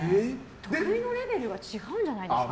得意のレベルが違うんじゃないですか？